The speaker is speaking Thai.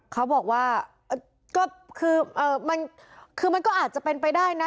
เขาบอกว่าก็คือมันคือมันก็อาจจะเป็นไปได้นะ